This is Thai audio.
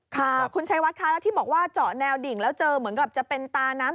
ค่ะคุณชัยวัดคะแล้วที่บอกว่าเจาะแนวดิ่งแล้วเจอเหมือนกับจะเป็นตาน้ำ